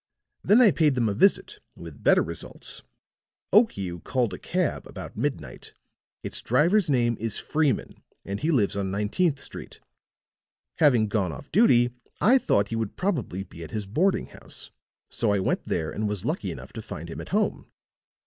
Then I paid them a visit, with better results. Okiu called a cab about midnight. Its driver's name is Freeman, and he lives on Nineteenth Street. Having gone off duty I thought he would probably be at his boarding house; so I went there and was lucky enough to find him at home.